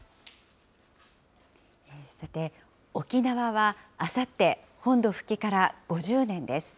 さて、沖縄はあさって、本土復帰から５０年です。